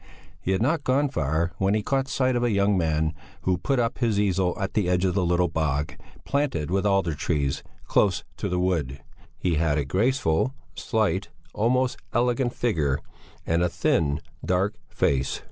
He had not gone far when he caught sight of a young man who had put up his easel at the edge of a little bog planted with alder trees, close to the wood. He had a graceful, slight, almost elegant figure, and a thin, dark face.